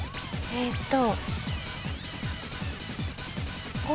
えーっと。